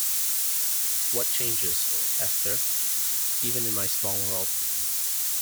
What changes, Esther, even in my small world!